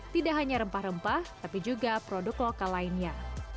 tidak hanya rempah rempah tapi juga produk lokal lainnya